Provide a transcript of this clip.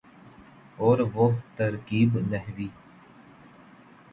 اور وہ ترکیب نحوی